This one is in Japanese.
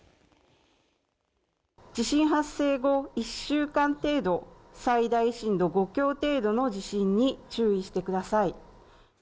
地震発生後１週間程度最大震度５強程度の地震に注意してください